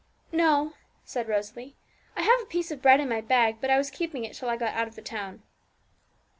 'No,' said Rosalie; 'I have a piece of bread in my bag, but I was keeping it till I got out of the town.'